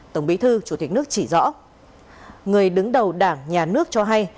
tổng bí thư chủ tịch nước chỉ rõ người đứng đầu đảng nhà nước cho hay